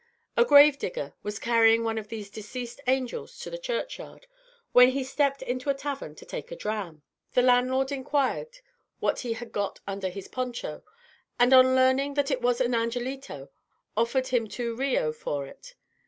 A grave digger was carrying one of these deceased angels to the churchyard, when he stept into a tavern to take a dram. The landlord inquired what he had got under his poncho, and on learning that it was an angelito, offered him two reaux for it.